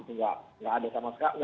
enggak ada sama sekali